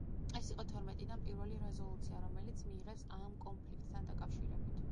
ეს იყო თორმეტიდან პირველი რეზოლუცია, რომელიც მიიღეს ამ კონფლიქტთან დაკავშირებით.